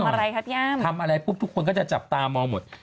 ทำอะไรครับย่ามทุกคนก็จะจับตามองหมด